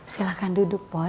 silakan duduk boy